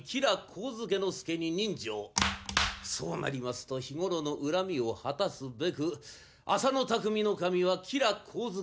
そうなりますと日ごろの恨みを果たすべく浅野内匠頭は吉良上野介殿中